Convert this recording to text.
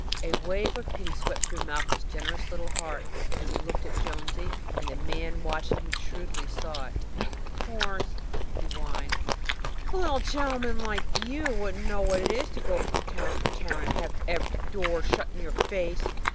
A wave of pity swept through Malcolm's generous little heart as he looked at Jonesy, and the man watching him shrewdly saw it. "Of course," he whined, "a little gen'leman like you don't know what it is to go from town to town and have every door shut in your face.